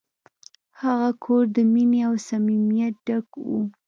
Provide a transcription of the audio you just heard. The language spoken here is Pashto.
هغه کور د مینې او صمیمیت ډک و.